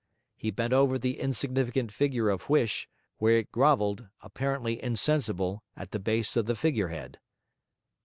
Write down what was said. He bent over the insignificant figure of Huish, where it grovelled, apparently insensible, at the base of the figure head.